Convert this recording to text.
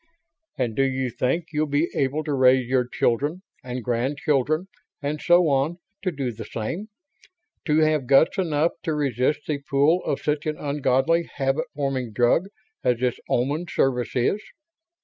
"And do you think you'll be able to raise your children and grandchildren and so on to do the same? To have guts enough to resist the pull of such an ungodly habit forming drug as this Oman service is?"